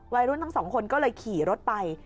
วัยรุ่นทั้งสองคนก็เลยขี่รถไป